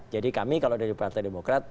jadi kami kalau dari partai demokrat